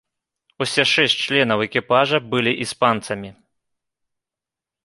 Усе шэсць членаў экіпажа былі іспанцамі.